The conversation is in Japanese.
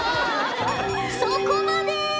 そこまで！